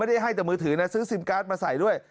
ได้ให้แต่มือถือนะซื้อซิมการ์ดมาใส่ด้วย